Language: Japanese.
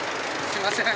すみません。